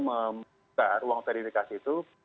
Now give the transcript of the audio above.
membuka ruang verifikasi itu